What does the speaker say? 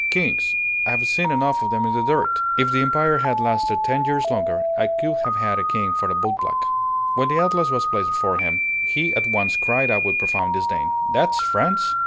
Kings! I've seen enough of them in the dirt. If the Empire had lasted ten years longer, I could have had a king for a bootblack." When the atlas was placed before him, he at once cried out with profound disdain, "That France?"